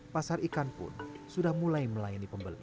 pasar ikanpun sudah mulai melayani pembeli